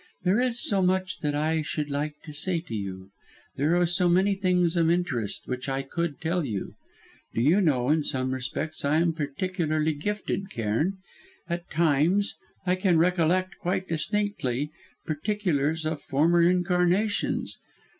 There is so much that I should like to say to you; there are so many things of interest which I could tell you. Do you know in some respects I am peculiarly gifted, Cairn? At times I can recollect, quite distinctly, particulars of former incarnations.